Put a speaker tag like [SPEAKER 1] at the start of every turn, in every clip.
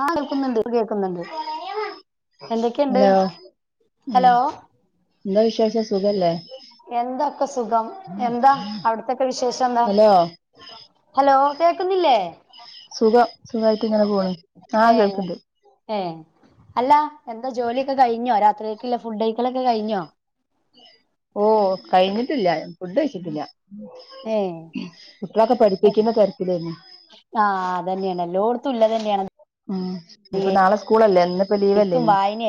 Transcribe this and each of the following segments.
[SPEAKER 1] ആഹ് കേൾക്കുന്നുണ്ട് കേൾക്കുന്നുണ്ട്. എന്തൊക്കെയ്ണ്ട്?
[SPEAKER 2] ഹലോ ഉം
[SPEAKER 1] ഹലോ.
[SPEAKER 2] എന്താ വിശേഷം. സുഖല്ലേ?
[SPEAKER 1] എന്താക്കെ സുഖം. എന്താ അവിടു തൊക്കെ വിശേഷെന്താ?
[SPEAKER 2] ഹലോ
[SPEAKER 1] ഹലോ കേക്ക്ന്നില്ലേ?
[SPEAKER 2] സുഖം സുഖായിട്ട് ഇങ്ങനെ പോണ് ആഹ്
[SPEAKER 1] ഏഹ്
[SPEAKER 2] കേൾക്ക്ണ്ട്
[SPEAKER 1] ഏഹ് അല്ലാ എന്താ ജോലിയൊക്കെ കഴിഞ്ഞൊ രാ
[SPEAKER 2] ഓഹ് കഴിഞ്ഞിട്ടില്ല ഫുഡ് കഴിച്ചിട്ടില്ല
[SPEAKER 1] ഏഹ്
[SPEAKER 2] കുട്ടിളൊക്കെ പഠിപ്പിക്കുന്ന തെരത്തിലായിരുന്നു
[SPEAKER 1] ആഹ് അതന്നെയാണ് എല്ലോടത്തും ഇളള തന്നെയാണ്
[SPEAKER 2] ഉം ഇപ്പ നാളെ സ്കൂളല്ലേ എന്ന്
[SPEAKER 1] എഴ്ത്തും വായന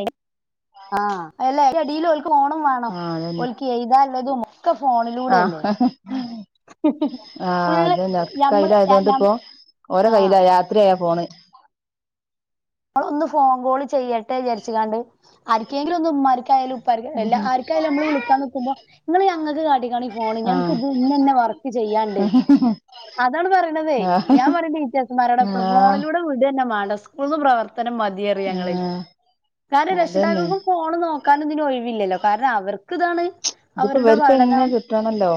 [SPEAKER 1] [unintelligible] അടിൽ ഓൽക്ക് ഓണം വേണം
[SPEAKER 2] ആഹ് അതന്നെ
[SPEAKER 1] എഴ്താനുള്ളതും ഒക്കെ
[SPEAKER 2] ആഹ്
[SPEAKER 1] ഫോണിലൂടെയല്ലേ
[SPEAKER 2] ആഹ്
[SPEAKER 1] ഫുള്ള്
[SPEAKER 2] അതന്നെ ഒക്കെ
[SPEAKER 1] ഞമ്മള്
[SPEAKER 2] കയ്യിലായതോണ്ട്
[SPEAKER 1] ഞ
[SPEAKER 2] ഇപ്പോ ഓരെ
[SPEAKER 1] ആഹ്
[SPEAKER 2] കയ്യിലാ രാത്രിയായ ഫോണ്
[SPEAKER 1] നമ്മള് ഒന്ന് ഫോൺ കോള് ചെയ്യട്ടെ വിചാരിച്ച്കാണ്ട് ആര്ക്കെങ്കിലും ഒന്ന് ഉമ്മാരിക്കായാലും ഉപ്പാര്ക്കാ
[SPEAKER 2] ആഹ്
[SPEAKER 1] ആര്കയാലും നമ്മള് വിളികാൻ നിക്കുമ്പോ നിങ്ങള് ഞങ്ങക്ക് കാട്ടിക്കാണി ഫോണ് ഞങ്ങക്ക് ഇത്
[SPEAKER 2] ആഹ്
[SPEAKER 1] ഇന്നന്നെ വർക്ക് ചെയ്യാനിണ്ട് അതാണ് പറയണതേ ഞാൻ പറഞ്ഞ ടീച്ചേഴ്സ്മാരോട് എപ്പളും
[SPEAKER 2] ആഹ്
[SPEAKER 1] ഫോണിലൂടെ വിടന്നെ മാണ്ടോ [unintelligible] ന്ന് പ്രവർത്തനം മതിയറിയും നങ്ങളെ
[SPEAKER 2] ആഹ്
[SPEAKER 1] കാര്യം
[SPEAKER 2] അതന്നെ
[SPEAKER 1] രക്ഷിതാകൾക്കും ഫോ ഫോണ് നോക്കാൻ ഇതിന് ഒഴിവില്ലല്ലോ കാരണം അവർക്ക് ഇതാണ്
[SPEAKER 2] ഇതിപ്പോ
[SPEAKER 1] അവരുടെ
[SPEAKER 2] ഇവർക്ക് തന്നേ
[SPEAKER 1] പഠനം
[SPEAKER 2] കിട്ടാണല്ലോ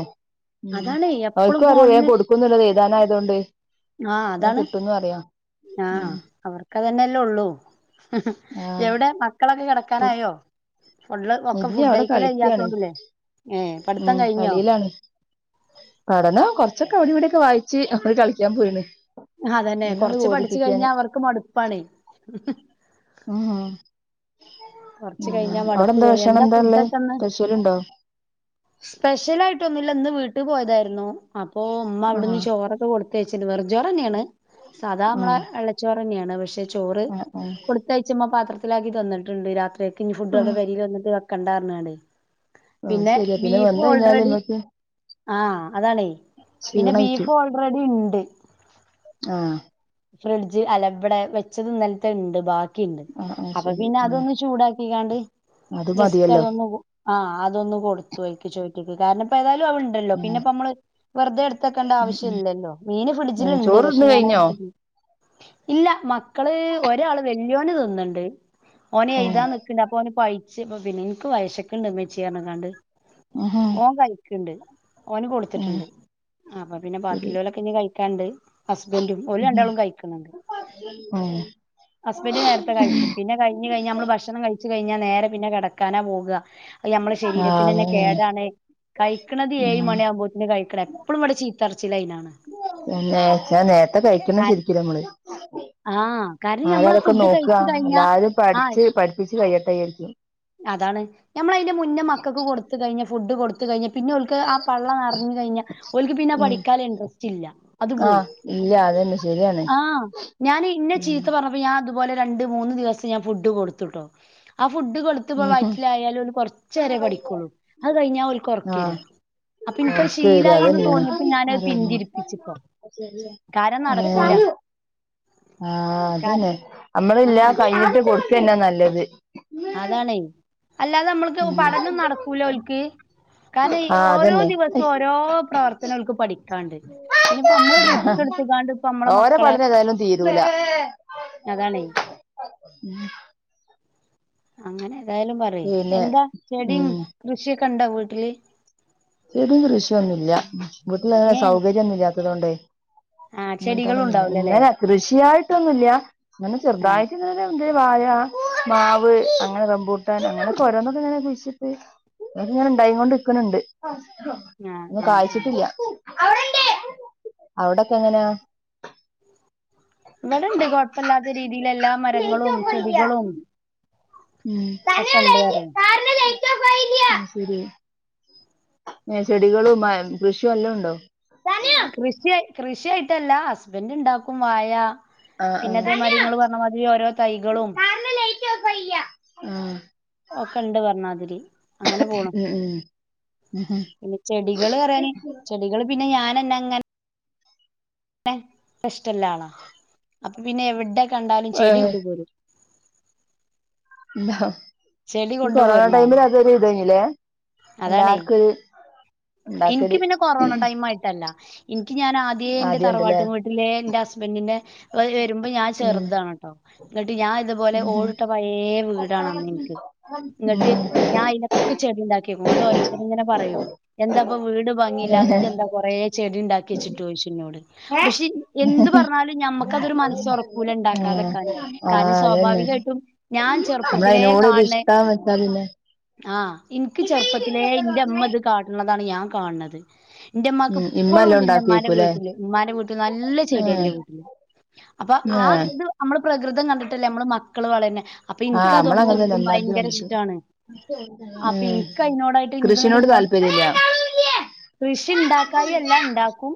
[SPEAKER 2] ഉം
[SPEAKER 1] അതാണ് എപ്പളും
[SPEAKER 2] അവർക്കും അറിയ ഞാൻ
[SPEAKER 1] ഫോണിന്
[SPEAKER 2] കൊടുക്കുന്നുള്ളത് ഏഴ്താനയതുകൊണ്ട്
[SPEAKER 1] ആഹ്
[SPEAKER 2] [unintelligible]
[SPEAKER 1] അതാണ്
[SPEAKER 2] കിട്ടുന്ന് അറയാ
[SPEAKER 1] ആഹ് അവറ് ക്കതന്നെല്ലേ ഉള്ളൂ
[SPEAKER 2] ആഹ്
[SPEAKER 1] എവിടെ മക്കളൊക്കെ
[SPEAKER 2] കു
[SPEAKER 1] കിടക്കാനായോ ഫുഡ് ഒക്കെ
[SPEAKER 2] ഇല്ല അവിടെ
[SPEAKER 1] ഫുഡ്യക്കല്
[SPEAKER 2] കളിക്കാണ്
[SPEAKER 1] കയ്യാത്തൊണ്ടല്ലേ ഏഹ് പഠിത്തം
[SPEAKER 2] ഉം
[SPEAKER 1] കഴിഞ്ഞോ
[SPEAKER 2] കളിയിലാണ് പഠനം കൊറച്ചൊക്കെ അവിടേം ഇവിടൊക്കെ വായിച്ച് [unintelligible] കളിക്കാൻ പോയിന്
[SPEAKER 1] അതന്നെ കൊറച്ച് പഠിച്ചു കഴിഞ്ഞാ അവർക്ക് മടുപ്പാണേ
[SPEAKER 2] ഉം
[SPEAKER 1] കൊറച്ച് കഴിഞ്ഞാ
[SPEAKER 2] അവിടെ
[SPEAKER 1] മടുപ്പ്
[SPEAKER 2] എന്താ
[SPEAKER 1] തോന്നി
[SPEAKER 2] ഭക്ഷണം എന്താ ഉള്ളേ സ്പെഷ്യൽ ഉണ്ടോ
[SPEAKER 1] സ്പെഷ്യലായിട്ട് ഒന്നുല്ല ഇന്ന് വീട്ടിൽ പോയതായിരുന്നു അപ്പോ ഉമ്മ അവിടുന്ന്
[SPEAKER 2] ആഹ്
[SPEAKER 1] ചോറൊക്കെ കൊടുത്ത് കൊടുത്തയച്ചിണ്ട് വെറും ചോറ് തന്നെയാണ് സാധാ നമ്മള
[SPEAKER 2] ആഹ്
[SPEAKER 1] വെള്ളച്ചോറ് തന്നെയാണ് പക്ഷെ ചോറ്
[SPEAKER 2] ആഹ് ആഹ്
[SPEAKER 1] കൊടു തയച്ചുമ്മ പാത്രത്തിലാക്കി തന്നിട്ടുണ്ട് രാത്രിേക്ക് ഇനി ഫുഡ് അവിടെ
[SPEAKER 2] ആഹ്
[SPEAKER 1] പെരിൽ വന്നിട്ട് വെക്കണ്ടാ പറഞ്ഞാണ്ടേ
[SPEAKER 2] ആഹ്
[SPEAKER 1] പിന്നെ
[SPEAKER 2] ശരിയാ
[SPEAKER 1] ബീഫ്
[SPEAKER 2] വന്ന് കഴിഞ്ഞാല്
[SPEAKER 1] ഓൾറെഡി
[SPEAKER 2] നമ്മക്ക്
[SPEAKER 1] ആഹ് അതാണേ പിന്നെ
[SPEAKER 2] ക്ഷീണായിക്കും
[SPEAKER 1] ബീഫ് ഓൾറെഡി ഉണ്ട്
[SPEAKER 2] ആഹ്
[SPEAKER 1] ഫ്രിഡ്ജ് അല ഇബിടെ വെച്ചത് ഇന്നലത്തെ ഇണ്ട് ബാക്കി കിണ്ട്
[SPEAKER 2] ആഹ് ആഹ്
[SPEAKER 1] അപ്പൊ
[SPEAKER 2] ശരി
[SPEAKER 1] പിന്നെ
[SPEAKER 2] ഉം
[SPEAKER 1] അതൊന്ന് ചൂടാക്കിക്കാണ്ട്
[SPEAKER 2] അത്
[SPEAKER 1] ജസ്റ്റ്
[SPEAKER 2] മതിയല്ലോ
[SPEAKER 1] അതൊന്ന് ആഹ് അതൊന്ന് കൊടുത്തൊയ്ക്ക ചോറ്റിക്ക് കാരണം ഇപ്പ ഏതായാലും അവ ണ്ടല്ലോ
[SPEAKER 2] ഉം
[SPEAKER 1] പിന്നെപ്പ നമ്മള് വെറുതെ എടുതക്കേണ്ട
[SPEAKER 2] ഉം ഉം
[SPEAKER 1] ആവശ്യല്ലല്ലോ മീന്
[SPEAKER 2] ഉം
[SPEAKER 1] ഫ്രിഡ്ജിലുണ്ട് പക്ഷെ
[SPEAKER 2] ചോറ്ന്ന്
[SPEAKER 1] ഞാൻ
[SPEAKER 2] കഴിഞ്ഞോ
[SPEAKER 1] ഇല്ല മക്കള് ഒരാള് വല്യോന് തിന്നണ്ട് ഓന്
[SPEAKER 2] ഉം
[SPEAKER 1] എഴുതാൻ അപൊ ഓന് പൈച്ചി പിന്നെം എനിക്ക് വെശക്കെണ്ട് ഉമ്മച്ചിയെ പറഞ്ഞിക്കാണ്ട്
[SPEAKER 2] ആഹാ
[SPEAKER 1] ഓൻ കഴിക്കണ്ട് ഓന് കൊടുത്തിട്ടുണ്ട് അപ്പൊ പിന്നെ
[SPEAKER 2] ശരി
[SPEAKER 1] ബാക്കിലോലൊക്കെ ഇനി കഴിക്കാണ്ട് ഹസ്ബൻഡും ഓര്
[SPEAKER 2] ഉം
[SPEAKER 1] രണ്ടാളും കഴിക്കുന്നുണ്ട്
[SPEAKER 2] ആഹ്
[SPEAKER 1] ഹസ്ബന്റ് നേരത്തെ കഴിക്കും പിന്നെ കഴിഞ്ഞ് കഴിഞ്ഞാ നമ്മള് ഭക്ഷണം കഴിച്ച് കഴിഞ്ഞാൽ നേരെ പിന്നെ കിടക്കാനാ പോക അത് നമ്മുടെ ശരീരത്തിനന്നെ
[SPEAKER 2] അങ്ങനെ
[SPEAKER 1] കേടാണ് കഴിക്കണത് ഏഴ്
[SPEAKER 2] ഉം
[SPEAKER 1] മണിയാവുമ്പോ കഴിക്കണം എപ്പഴും ഇവിടെ ചീത്തറിച്ചലൈനാണ്
[SPEAKER 2] പിന്നെ നേരത്തെ കഴിക്കണം ശരിക്കും ഞമ്മള്
[SPEAKER 1] ആഹ് കാരണം
[SPEAKER 2] ആരാ
[SPEAKER 1] ഞമ്മളാ
[SPEAKER 2] അതൊക്കെ
[SPEAKER 1] ഫുഡ്
[SPEAKER 2] നോക്കാ
[SPEAKER 1] കഴിച്ച് കഴിഞ്ഞാ
[SPEAKER 2] എല്ലാരും
[SPEAKER 1] ആഹ്
[SPEAKER 2] പഠിച്ച് പഠിപ്പിച്ച് കയ്യട്ടെ വിജാരിക്കും
[SPEAKER 1] അതാണ് ഞമ്മള് അയിന്റെ മുന്നേ മക്കക്ക് കൊടുത്ത് കയിഞ്ഞ ഫുഡ് കൊടു ത്ത് കയിഞ്ഞ പിന്നെ ഓൽക്ക് ആ പള്ള നറഞ്ഞ് കഴിഞ്ഞാ ഓൽക്ക് പിന്നെ
[SPEAKER 2] ഉം
[SPEAKER 1] പഠിക്കാൻ ഇൻട്രസ്റ്റ് ഇല്ല അത് പോയി
[SPEAKER 2] ആഹ് ഇല്ല അതന്നെ ശരിയാണ്
[SPEAKER 1] ആഹ് ഞാന് ഇഞ്ഞെ ചീത്ത പറഞ്ഞപ്പോ ഞാൻ അതുപോലെ രണ്ട് മൂന്ന് ദിവസം ഞാൻ ഫുഡ് കൊടുത്തുട്ടോ ആ ഫുഡ് കൊടു ത്തപ്പ
[SPEAKER 2] ഉം ഉം
[SPEAKER 1] വയിറ്റിലായാല് ഒന്ന് കൊറച്ചേരെ പഠിക്കൊള്ളൂ അത് കയിഞ്ഞാ ഓൽക്ക്
[SPEAKER 2] ആഹ്
[SPEAKER 1] ഒറക്കേരാ അപ്പൊ ഇൻക്കത്
[SPEAKER 2] ഒറക്ക് വരാ
[SPEAKER 1] ശീലായിന്ന്
[SPEAKER 2] അതന്നെയാണ്
[SPEAKER 1] തോന്നിയപ്പോ ഞാനത് പിന്തിരിപ്പിച്ചിപ്പോ കാരം
[SPEAKER 2] ഏഹ്
[SPEAKER 1] നടക്കൂല
[SPEAKER 2] ആഹ്
[SPEAKER 1] കാരണം
[SPEAKER 2] അതന്നെ നമ്മളില്ല
[SPEAKER 1] ആഹ്
[SPEAKER 2] കൈഞ്ഞിട്ട് കൊടുക്കന്നാ നല്ലത്
[SPEAKER 1] അതാണേ അല്ലാതെ ഞമ്മളിക്ക് പഠനം
[SPEAKER 2] ഉം
[SPEAKER 1] നടക്കൂല ഓൽക്ക് കാരണം ഈ
[SPEAKER 2] ആഹ്
[SPEAKER 1] ഓരോ
[SPEAKER 2] അതന്നെ
[SPEAKER 1] ദിവസോ ഓരോ പ്രവർത്തനകൾക്ക് പഠിക്കാണ്ട് പിന്നെ ഇപ്പ അമ്മള് റിസ്ക്കെടുത്ത്ക്കാണ്ട് ഇപ്പമ്മളെ
[SPEAKER 2] ഓരെ
[SPEAKER 1] മക്കളെ
[SPEAKER 2] പഠനം ഏതായാലും തീരൂല
[SPEAKER 1] അതാണേ
[SPEAKER 2] ഉം
[SPEAKER 1] അങ്ങനെ ഏതായാലും പറയും
[SPEAKER 2] പിന്നെ
[SPEAKER 1] എന്താ ചെടിയും
[SPEAKER 2] ഉം
[SPEAKER 1] കൃഷിയൊക്കെ ഒണ്ടോ വീട്ടില്
[SPEAKER 2] ചെടിയും കൃഷിയൊന്നുല്ല്യ വീട്ടിലങ്ങനെ
[SPEAKER 1] ഇഞ്ഞ്
[SPEAKER 2] സൗകര്യൊന്നും ഇല്ലാത്തത് കൊണ്ടേ
[SPEAKER 1] ആഹ്
[SPEAKER 2] അങ്ങൻതന്നന്നൂല്യ
[SPEAKER 1] ചെടികളുണ്ടാവൂലല്ലേ
[SPEAKER 2] ഇങ്ങനെ കൃഷിയായിട്ടൊന്നുല്ല്യ അങ്ങനെ
[SPEAKER 1] ആഹ്
[SPEAKER 2] ചെറ്തായിട്ട് [unintelligible] വാഴ, മാവ് അങ്ങനെ റെമ്പൂട്ടാൻ അങ്ങനൊക്കെ ഒരോന്നൊക്കെങ്ങനെ കുഴിച്ചിട്ട് അതൊക്കെങ്ങനെ ഇണ്ടായി കൊണ്ട് ഇക്കണിണ്ട്
[SPEAKER 1] ആഹ്
[SPEAKER 2] ഒന്നും
[SPEAKER 1] ആഹ് ആഹ്
[SPEAKER 2] കായിച്ചിട്ടില്ല അവിടെണ്ട് അവടെക്കെ എങ്ങന?
[SPEAKER 1] ഇവടൊണ്ട് കൊഴപ്പല്ലാത്ത രീതിയിലെല്ലാ മരങ്ങളും
[SPEAKER 2] എങ്ങനെയാ
[SPEAKER 1] ചെടികളും
[SPEAKER 2] ഉം തന്ന
[SPEAKER 1] ഒക്കെ ഉണ്ട്
[SPEAKER 2] ലൈറ്റ്
[SPEAKER 1] പറയും
[SPEAKER 2] കാറിന്റെ ലൈറ്റോഫായീല അയ് ശെരി ഏഹ് ചെടികളും മ കൃഷിവല്ലൊണ്ടോ?
[SPEAKER 1] കൃഷിയാ കൃഷിയായിട്ടല്ല ഹസ്ബെന്റ് ഇണ്ടാക്കും വായ
[SPEAKER 2] ആ ആ
[SPEAKER 1] പിന്നെ
[SPEAKER 2] സനു
[SPEAKER 1] അതേമാരി ഇങ്ങള് പറഞ്ഞ മാതിരി ഓരോ തൈകളും
[SPEAKER 2] ല്ല ലൈറ്റോഫായില്യ ആഹ്
[SPEAKER 1] ഓക്കണ്ട് പർണാതിരി അങ്ങനെ പോണ്
[SPEAKER 2] ഉം ഉം ഉം
[SPEAKER 1] പിന്നെ ചെടികള് [unintelligible] ചെടികള്പിന്നെ ഞാനന്നങ്ങനെ ഇഷ്ട്ടല്ലാളാ അപ്പൊ പിന്നെ എവിടെ കണ്ടാലും
[SPEAKER 2] ഏ
[SPEAKER 1] ചെടി കൊണ്ട്പൊരും ചെടി
[SPEAKER 2] ഈ കൊറോണ
[SPEAKER 1] കൊണ്ടുപോരുന്ന ആള്
[SPEAKER 2] ടൈമിലതൊര് ഇത് തന്നിലേ
[SPEAKER 1] അതാണേ
[SPEAKER 2] എല്ലാർക്കൊര്
[SPEAKER 1] എനിക്ക്
[SPEAKER 2] ഒണ്ടാക്കല്
[SPEAKER 1] പിന്നെ കൊറോണ ടൈം ആയിട്ടല്ല എൻക്യ ഞാനാദ്യേ എന്റെ
[SPEAKER 2] ആദ്യം
[SPEAKER 1] തറവാട്ട്
[SPEAKER 2] ഉണ്ടല്ലേ
[SPEAKER 1] വീട്ടിലെ ഇന്റെ ഹസ്ബെന്റിന്റെ [unintelligible] വെരുമ്പോ ഞാൻ
[SPEAKER 2] ഉം
[SPEAKER 1] ചെറുതാണ്‌ട്ടോ ഇങ്ങട്ട് ഞാ ഇതുപോലെ
[SPEAKER 2] ഉം ഉം
[SPEAKER 1] ഓടിട്ട പയേ വീടാണ് അന്നെനിക്ക് ഇങ്ങട്ട് ഞാ അയിന് ക്കെ ചെടിണ്ടാക്ക്യെക്കും ഇങ്ങട്ട് ഓരോര്ത്തര് ഇങ്ങനെ പറയും എന്താപ്പൊ വീട് ഭംഗില്ലാതെ
[SPEAKER 2] ഏ
[SPEAKER 1] ഇജെന്താ കൊറേ ചെടിണ്ടാക്ക്യെച്ചിട്ടോയ്ച്ചു എന്നോട്
[SPEAKER 2] ആ
[SPEAKER 1] പക്ഷെ എന്ത് പറഞ്ഞാലും ഞമ്മക്കതൊരു മനസ്സൊറക്കൂല ഇണ്ടാക്കാതെക്കാന്
[SPEAKER 2] ആ
[SPEAKER 1] കാരണം
[SPEAKER 2] അതന്നെ
[SPEAKER 1] സ്വാഭാവികായിട്ടും ഞാൻ
[SPEAKER 2] നമ്മള്
[SPEAKER 1] ചെറുപ്പത്തിലേ
[SPEAKER 2] അതിനോട് ഒരു
[SPEAKER 1] കാണേ
[SPEAKER 2] ഇഷ്ടാന്ന് വെച്ചാ പിന്നെ
[SPEAKER 1] ആഹ് ഇൻക്ക് ചെർപ്പത്തിലെ ഇന്റെമ്മത് കാട്ട്ണതാണ് ഞാൻ കാണത് ഇന്റെമ്മാക്ക്
[SPEAKER 2] ഉം ഇമ്മല്ലാം
[SPEAKER 1] ഇപ്പളൂണ്ട് ഇന്റെമ്മാന്റെ
[SPEAKER 2] ഉണ്ടാക്കിയേക്കൂല്ലേ
[SPEAKER 1] വീട്ട്ല് ഇമ്മാന്റെ വീട്ടില് നല്ല
[SPEAKER 2] ഏ
[SPEAKER 1] ചെടിയാ ന്റെ വീട്ടിലും അപ്പം
[SPEAKER 2] ഏ
[SPEAKER 1] ആഹ് ഇത് ഞമ്മള് പ്രകൃതം കണ്ടിട്ടല്ല ഞമ്മള് മക്കള് വളര്നെ അപ്പ
[SPEAKER 2] ആ നമ്മളങ്ങനെ തന്നെ
[SPEAKER 1] ഇൻക്കതോണ്ടായിരിക്കും
[SPEAKER 2] ഉമ്മാന്റ
[SPEAKER 1] ഭയങ്കര
[SPEAKER 2] കണ്ടിട്ട്
[SPEAKER 1] ഇഷ്ട്ടാണ്
[SPEAKER 2] ഏ
[SPEAKER 1] അപ്പിൻ കയ്നോടായിട്ട് ഇൻക്ക് അങ്ങ്ട്ട്
[SPEAKER 2] കൃഷിനോട്
[SPEAKER 1] ഇന്നോട്
[SPEAKER 2] താല്പര്യല്ല
[SPEAKER 1] കൃഷി ഇണ്ടാക്കായല്ല ഇണ്ടാക്കും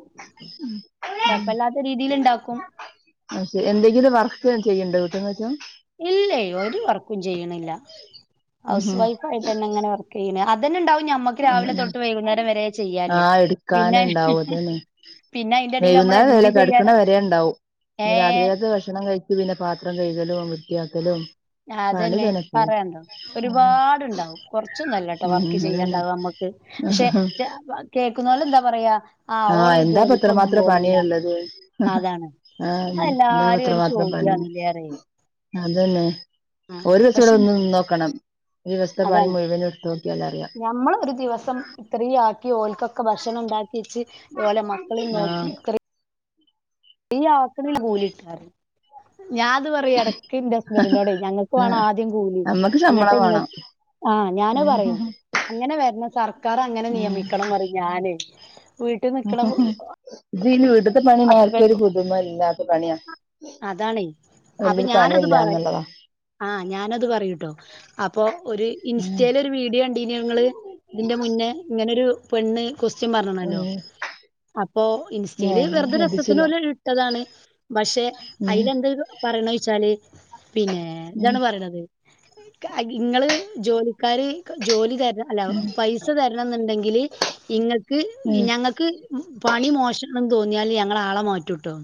[SPEAKER 2] ഉം
[SPEAKER 1] കൊഴപ്പല്ലാത്ത രീതിലിണ്ടാക്കും
[SPEAKER 2] അയ്ശെരി എന്തെങ്കിലും വർക്ക് ചെയ്യ്ണ്ടോ വീട്ട് [unintelligible]
[SPEAKER 1] ഇല്ലെയ് ഒരു വർക്കും ചെയ്യണില്ല
[SPEAKER 2] ഉം
[SPEAKER 1] ഹൗസ്
[SPEAKER 2] ഉം
[SPEAKER 1] വൈഫായിട്ടന്നെങ്ങനെ വർ ക്കെയ്യനെ അതന്നെണ്ടാവും ഞമ്മ
[SPEAKER 2] ഉം ഉം ആഹ്
[SPEAKER 1] പിന്നെ
[SPEAKER 2] എട്ക്കാനിണ്ടാവും അതാണ്
[SPEAKER 1] പിന്നെ അയിന്റെടീല് നമ്മളെന്ത്
[SPEAKER 2] വൈകുന്നേരല്ലല്ലോ
[SPEAKER 1] ചെയ്യാനാ
[SPEAKER 2] കട്ക്ക്ണവരെണ്ടാവും പിന്ന
[SPEAKER 1] ഏഹ്
[SPEAKER 2] രാത്രികത്തെ ഭക്ഷണം കഴ് പിന്നെ പാത്രം കൈകലും വൃത്തിയാക്കലും പണി
[SPEAKER 1] അതന്നെ
[SPEAKER 2] തന്നെ എപ്പളും
[SPEAKER 1] പറയാണ്ടോ ഒരുപാടുണ്ടാവും കൊർച്ചൊന്നല്ലട്ട
[SPEAKER 2] ഉം
[SPEAKER 1] വർക്ക്
[SPEAKER 2] ഉം
[SPEAKER 1] ചെയ്യാണ്ടാവ നമ്മക്ക് പക്ഷെ
[SPEAKER 2] അതന്നെ
[SPEAKER 1] കേക്കുന്നോലെന്താ പറയാ ആ
[SPEAKER 2] ആഹ്
[SPEAKER 1] ഓള് ജോലിക്കൊന്നും
[SPEAKER 2] എന്താപ്പത്രമാത്രം
[SPEAKER 1] പോണില്ല
[SPEAKER 2] പണിയിള്ളത് ആഹ്
[SPEAKER 1] അതാണ്
[SPEAKER 2] [unintelligible]
[SPEAKER 1] അതെല്ലാരും
[SPEAKER 2] എന്താപ്പത്ര
[SPEAKER 1] ഒരു
[SPEAKER 2] മാത്രം പണി
[SPEAKER 1] ചോദ്യാണല്ലേ പറയും
[SPEAKER 2] അതന്നെ
[SPEAKER 1] ആ
[SPEAKER 2] ഒരു ദിവസം വടെ
[SPEAKER 1] പക്ഷെ
[SPEAKER 2] വന്ന് നിന്നോക്കണം ഒരു ദിവസത്തെ പണി മുഴുവന് ഇട്ത്തൊട് [unintelligible]
[SPEAKER 1] ഞമ്മളൊ ഒരു ദിവസം ഇത്രീയാക്കി ഓൽക്കൊക്കെ ഭക്ഷണം ഉണ്ടാക്കി വച്ച് ഓലെ മക്കളും നോക്കി
[SPEAKER 2] ആഹ്
[SPEAKER 1] ഇത്രേം ഈ ആക്കണൽ പോലി ഇട്ടാറ് ഞാൻ അത് പറയും ഇടക്ക് ഇന്റെ ഹസ്ബന്റിനോട് ഞങ്ങൾക്ക് വേണം
[SPEAKER 2] ആഹ്
[SPEAKER 1] ആദ്യം കൂലി
[SPEAKER 2] നമ്മക്ക് ശമ്പളം വേണം
[SPEAKER 1] അങ്ങട്ടെങ്ങൾക്ക് ആഹ് ഞാനും പറയും അങ്ങനെ വരുന്ന സർക്കാർ അങ്ങനെ
[SPEAKER 2] ഉം
[SPEAKER 1] നിയമിക്കണം പറയും ഞാനേ വീട്ടിൽ നിക്കണ
[SPEAKER 2] ഇത് ഇനി വീടുത്തെ പണി ആർക്കും ഒരു
[SPEAKER 1] ഹസ്ബൻഡ്
[SPEAKER 2] പുതുമ ഇല്ലാത്ത പണിയാ
[SPEAKER 1] അതാണേ അപ്പൊ
[SPEAKER 2] വല്യൊരു
[SPEAKER 1] ഞാനത്
[SPEAKER 2] പണിയല്ല
[SPEAKER 1] പറയും
[SPEAKER 2] എന്നുള്ളതാ
[SPEAKER 1] ആഹ് ഞാനത് പറയൂട്ടോ അപ്പൊ ഒരു
[SPEAKER 2] ഉം
[SPEAKER 1] ഇൻസ്‌റ്റേൽ ഒരു വീഡിയോ ക ഇതിന്റെ മുന്നേ ഇങ്ങനൊരു പെണ്ണ് കൊ [unintelligible] പറഞ്ഞണല്ലോ
[SPEAKER 2] ഉം
[SPEAKER 1] അപ്പോ ഇൻസ്റ്റയില്
[SPEAKER 2] ഞാൻ ശ്രദ്ധിച്ചില്ല
[SPEAKER 1] [unintelligible] പക്ഷെ അ
[SPEAKER 2] ഉം
[SPEAKER 1] [unintelligible] പറയണ വെച്ചാല് പിന്നെ
[SPEAKER 2] ഉം
[SPEAKER 1] ഇതാണ് പറയണത് ഇങ്ങള് ജോലിക്കാര് ജോലി തരണം അല്ല പൈസ തരണന്നുണ്ടെങ്കില് ഇങ്ങക്ക്
[SPEAKER 2] ഉം
[SPEAKER 1] ഞങ്ങൾക്ക് പണി മോശണംന്ന് തോന്നിയാൽ ഞങ്ങള ആളെ മാറ്റുട്ടോ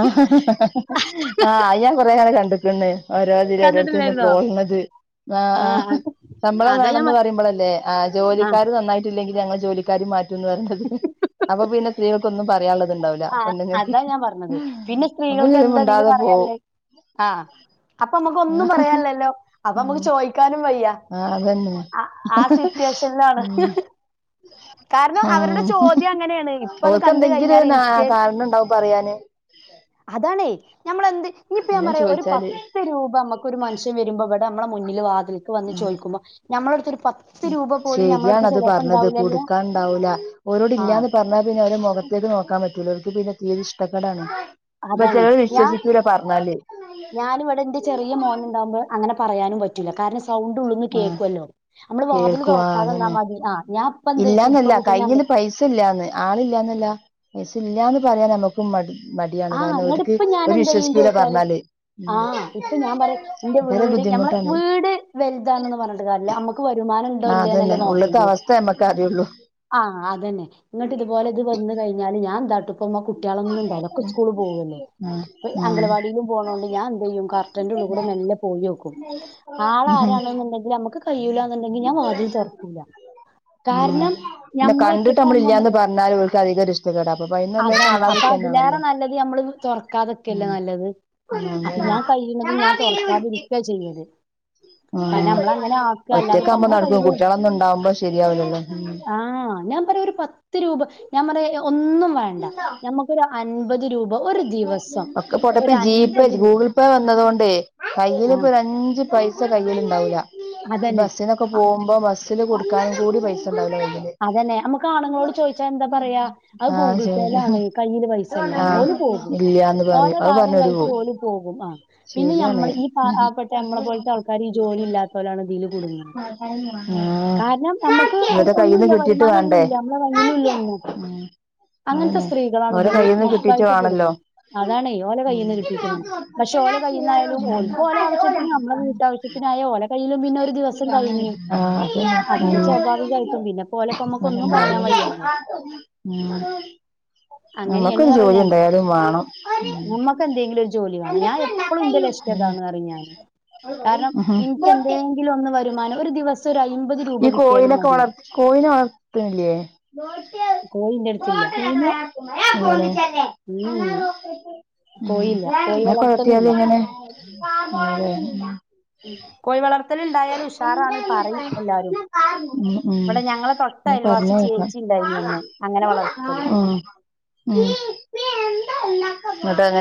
[SPEAKER 2] ആഹ് ആഹ് ഞാൻ കൊറെ ആള കണ്ടക്ക് [unintelligible]
[SPEAKER 1] കണ്ടിട്ടില്ലായിരുന്നോ
[SPEAKER 2] പോകണത് ആഹ് ആഹ് ശമ്പളം
[SPEAKER 1] അതാ ഞാൻ
[SPEAKER 2] വേണെന്ന് പറയുമ്പോളല്ലേ ആഹ്
[SPEAKER 1] ആഹ്
[SPEAKER 2] ജോലിക്കാര് നന്നായിട്ട് ല്ലെങ്കിൽ ഞങ്ങൾ ജോലിക്കാ മാറ്റുന്ന് വരണ്ടത് അപ്പൊ പിന്നെ സ്ത്രീകൾക്കൊന്നും പറയാനുള്ളത്തുണ്ടാവില്ല
[SPEAKER 1] അതാ ഞാൻ പറഞ്ഞത് പിന്നെ സ്ത്രീകൾക്ക്
[SPEAKER 2] പിന്നെ
[SPEAKER 1] എന്താ അതിലും
[SPEAKER 2] മിണ്ടാതെ പോവും
[SPEAKER 1] പറയല്ലേ ആഹ് അപ്പൊ നമ്മുക്ക് ഒന്നും പറയാല്ലല്ലോ അപ്പൊ നമ്മുക്ക്
[SPEAKER 2] ഉം
[SPEAKER 1] ചോയ്ക്കാനും വയ്യ
[SPEAKER 2] ആ അതന്നെ
[SPEAKER 1] ആഹ് ആഹ് സിറ്റുവേഷനിലാണ് കാരണം അവരുടെ
[SPEAKER 2] ഉം
[SPEAKER 1] ചോദ്യം അങ്ങനെയാണ് ഇപ്പൊ അത്
[SPEAKER 2] അവര്ക്ക്
[SPEAKER 1] കണ്ട്
[SPEAKER 2] എന്തെങ്കിലും
[SPEAKER 1] കഴിഞ്ഞാൽ
[SPEAKER 2] കാരണണ്ടാവും പറയാന്
[SPEAKER 1] അതാണേ ഞമ്മളെന്ത് ഇനിപ്പ
[SPEAKER 2] നമ്മൾ
[SPEAKER 1] പറയാ ഒരു
[SPEAKER 2] ചോയിച്ചാല്
[SPEAKER 1] രൂപ നമുക്ക് ഒരു മനഷ്യൻ വരുമ്പോ ഇവിടെ നമ്മള മുന്നിൽ വാതിൽക്ക് വന്ന് ചോദിക്കുമ്പോൾ നമ്മള അടുരു പ
[SPEAKER 2] ശരിയാണ് അത് പറഞ്ഞത് കൊടുക്കാൻണ്ടാവൂല ഓരോട്
[SPEAKER 1] ആഹ്
[SPEAKER 2] ഇല്ലന്ന് പറഞ്ഞാൽ പിന്നെ അവ മുഖ ക്ക് നോക്കാൻ പറ്റൂല അവർക്ക് പിന്നെ തീരെ ഇഷ്ടക്കടാണ് ഇപ്പൊ ചില വിശ്വസിക്കൂല്ല പറഞ്ഞാല്
[SPEAKER 1] ഞാനും ഇവിടെ എന്റെ ചെറിയ മോനുണ്ടാവുമ്പോ അങ്ങനെ പറയാനും പറ്റൂല്ല കാരണം സൗണ്ട് ഉള്ളന്ന്
[SPEAKER 2] ആഹ്
[SPEAKER 1] കേൾക്കുമല്ലോ നമ്മള് വാതില് തുറക്കാതെന്നാ മതി ആഹ് ഞാൻ എന്തോയിച്ചു ഇപ്പ
[SPEAKER 2] ഇല്ലന്നല്ല
[SPEAKER 1] കുട്ടീനെ
[SPEAKER 2] കയ്യിൽ
[SPEAKER 1] കണ്ട്
[SPEAKER 2] പൈസ ഇല്ലന്ന് ആള ഇല്ലന്നല്ല പൈസ ഇല്ലന്ന് പറയാൻ നമുക്ക് മടിയാണ്
[SPEAKER 1] ആഹ്
[SPEAKER 2] കാരണം
[SPEAKER 1] ഇങ്ങട്
[SPEAKER 2] ഓര്ക്ക്
[SPEAKER 1] ഇപ്പ ഞാൻ
[SPEAKER 2] ഒരു
[SPEAKER 1] എന്ത് ചെയ്യും
[SPEAKER 2] വിശ്വസിക്കൂല
[SPEAKER 1] ചോദിച്ചാല്
[SPEAKER 2] പറഞ്ഞാല് ഉപ
[SPEAKER 1] എന്റെ വീട് ഞമ്മള് വീട് വലുതാണന്ന് പറഞ്ഞിട്ട് കാര്യല്ല നമ്മുക്ക് വരുമാനം ഉണ്ടോ ഇല്ലേന്നല്ല നോക്കേണ്ടി
[SPEAKER 2] മ കാര്യ ഉള്ളൂ
[SPEAKER 1] ആഹ് അതന്നെ ഇങ്ങട്ട് ഇതുപോലെ ഇത് വന്ന് കഴിഞ്ഞാല് ഞാൻ എന്താട്ടും ഇപ്പൊമ്മ കുട്ടികളൊന്നും ഉണ്ടല്ലോ സ്കൂള് പോവന്നെ
[SPEAKER 2] ആഹ്
[SPEAKER 1] അംഗലവാടിയിലും പോകണോണ്ട് ഞാൻ എന്ത് ചെയ്യും കർട്ടന്റെ ഉള്ള കൂടെ മെല്ലെ പോയി വെക്കും ആൾ
[SPEAKER 2] ആഹ്
[SPEAKER 1] ആരാണെന്നുണ്ടെങ്കിൽ നമ്മുക്ക് കഴയില എന്നുണ്ടെങ്കിൽ ഞാൻ വാതിൽ തുറക്കൂല
[SPEAKER 2] ഉം
[SPEAKER 1] കാരണം
[SPEAKER 2] പിന്നെ
[SPEAKER 1] ഞമ്മള്
[SPEAKER 2] കണ്ടിട്ട് നമ്മള
[SPEAKER 1] ഒറ്റക്കാവുമ്പോ
[SPEAKER 2] ഇല്ലാന്ന് പറഞ്ഞാല് അവക്ക് അധികം ഇഷ്ട കേടാ അഹ് അപ്പ അന്നന
[SPEAKER 1] അതാണ്
[SPEAKER 2] കാണാ
[SPEAKER 1] അപ്പൊ അതിലേറെ നല്ലത് നമ്മള് തുറക്കാതൊക്കെയല്ലോ
[SPEAKER 2] ഉം
[SPEAKER 1] നല്ലത് അപ്പൊ ഞാൻ കഴിയത ഞാൻ തുറക്കാതിരിക്കയ ചെയ്യല് കാരണം നമ്മള് അങ്ങനെ
[SPEAKER 2] ആഹ്
[SPEAKER 1] ആക്കുക അല്ലാതെ
[SPEAKER 2] ഒറ്റക്ക
[SPEAKER 1] ഇപ്പ
[SPEAKER 2] ആവുമ്പോ
[SPEAKER 1] നമ്മളെ
[SPEAKER 2] നടക്കും
[SPEAKER 1] കയ്യില്
[SPEAKER 2] കുട്ടികളൊന്നും ഉണ്ടാവുമ്പോ ശരിയാവലല്ലോ
[SPEAKER 1] ആഹ് ഞാൻ പറയാ ഒരു പത്ത് പത്ത് രൂപ ഞാൻ പറ ഒന്നും വേണ്ട ഞമുക്കൊരു അൻപത് രൂപ ഒരു ദിവസം
[SPEAKER 2] ഒക്കെ പൊട്ടപ്പ
[SPEAKER 1] ഒരു
[SPEAKER 2] ജിപേ
[SPEAKER 1] അൻപത് രൂ
[SPEAKER 2] ഗൂഗിൾ പേ വന്നതൊണ്ട് കയ്യിൽ
[SPEAKER 1] ആഹ്
[SPEAKER 2] ഇപ്പൊ ഒ അഞ്ച് പൈസ കയ്ൽ ഉണ്ടാവില്ല
[SPEAKER 1] അതന്നെ
[SPEAKER 2] ബസ്സിനൊക്കെ പോകുമ്പോ ബസ്സിൽ കൊടുക്കാനും കൂടി പൈസ ഉണ്ടാവില്ലല് കയ്യില്
[SPEAKER 1] അതന്നെ നമു ആണുങ്ങളോട് ചോദിച്ചാ എന്താ പറയാത്
[SPEAKER 2] ആഹ്
[SPEAKER 1] ഗൂഗിൾ
[SPEAKER 2] ശരി
[SPEAKER 1] പേല്ലാണ് കയ്യിയില്ൽ പൈസല്ലാ
[SPEAKER 2] ആഹ്
[SPEAKER 1] ഒരു
[SPEAKER 2] ഇല്ല്യാന്ന്
[SPEAKER 1] ഓല
[SPEAKER 2] പറയും അത്
[SPEAKER 1] കാര്ം
[SPEAKER 2] പറഞ്ഞ് ഓര്
[SPEAKER 1] കഴിച്ച
[SPEAKER 2] പോവും
[SPEAKER 1] ഓലും പോകും ആ പിന്നെ
[SPEAKER 2] ശരിയാണ്
[SPEAKER 1] നമ്മ ഈ നമ്മളെ പോലത്തെ ആൾക്കാർ ഈ ജോലി ഇല്ലാത്ത പോലാണ് ഇതിൽ കുടുങ്ങുന്നത്
[SPEAKER 2] ആഹ്
[SPEAKER 1] കാരണം നമ്മുക്ക് ഒരു
[SPEAKER 2] ഇവരെ കയ്യിന്ന്
[SPEAKER 1] ഒന്നുംല്ല
[SPEAKER 2] കിട്ടീട്ട്
[SPEAKER 1] വരുമാനം
[SPEAKER 2] വേണ്ടേ
[SPEAKER 1] ഒന്നുമല്ല നമ്മടെ കയ്യിലും ഇല്ല ഒന്നും
[SPEAKER 2] ഉം
[SPEAKER 1] അങ്ങനത്തെ
[SPEAKER 2] അതന്നെ
[SPEAKER 1] സ്ത്രീകളാണ്
[SPEAKER 2] ഓരെ
[SPEAKER 1] ഇതില്
[SPEAKER 2] കയ്യിന്ന് കിട്ടീട്ട്
[SPEAKER 1] മൊത്തമായിട്ട്
[SPEAKER 2] വേണല്ലോ
[SPEAKER 1] അതാണ് ല
[SPEAKER 2] ഉം
[SPEAKER 1] കയൽന്ന് കിട്ടീട്ട്
[SPEAKER 2] ആഹ്
[SPEAKER 1] വണം പക്ഷേ ഓല കയൽുന്നായാലും ഓക്ക് ഓല ആവശ്യത്തിന് നമ്മ കിട്ടശ്യ ത്തിനായ ഓല കയ്യിലും പിന്നെ ഒരു ദിവസം കഴിഞ്ഞു അതാണ്
[SPEAKER 2] അതന്നെ ഉം
[SPEAKER 1] സ്വാഭാവികമായിട്ടുംന്നെ എന്നെ പോലെപ്പോ നമ്മുക്ക ഒന്നും പറയാൻ
[SPEAKER 2] അതന്നെ
[SPEAKER 1] വയ്യല്ലോ
[SPEAKER 2] ഉം
[SPEAKER 1] അങ്ങനെയാണ്
[SPEAKER 2] നമ്മക്കൊരു
[SPEAKER 1] പറയ
[SPEAKER 2] ജോലി എന്തായാലും വേണം ഉം
[SPEAKER 1] നമ്മക്ക് എന്തെങ്കിലും ഒരു ജോലി വേണം ഞാൻ എപ്പോഴും ഇന്റെ
[SPEAKER 2] അതന്നെ
[SPEAKER 1] ലക്ഷ്യതാന്ന് അറിഞ്ഞാന് പറയും ഞാൻ കാരണം എനിക്ക്
[SPEAKER 2] ഉം
[SPEAKER 1] എന്തെങ്കിലും ഒന്ന് വരുമാനം ഒരു ദിവസം ഒരു അമ്പത് രൂപ കിട്ടിയാലും മ
[SPEAKER 2] ളർ കോഴെ വളർത്തുന്നില്ലേ
[SPEAKER 1] കോഴി എന്റെ അടുത്തില്ല
[SPEAKER 2] ബട്ടയാ ബോിച്ചല്ലെ
[SPEAKER 1] ഉം കോഴിയില്ല കോഴി
[SPEAKER 2] അക്ക എത്തിയ
[SPEAKER 1] വളർത്തലില്ല
[SPEAKER 2] [unintelligible]
[SPEAKER 1] കോഴി വളർത്തല ഉണ്ടായാൽ ഉഷാറാണ് പറയും എല്ലാരും
[SPEAKER 2] ഉം ഉം
[SPEAKER 1] ഇവിടെ ഞങ്ങളെ തൊട്ട
[SPEAKER 2] എന്നാ പറഞ്ഞ
[SPEAKER 1] അയൽവാസി
[SPEAKER 2] കേക്കാം
[SPEAKER 1] ചേച്ചി ഉണ്ടായിനി ഒന്ന് അങ്ങനെ വളർത്തല്
[SPEAKER 2] ഉം ഉം അത അങ്ങനെ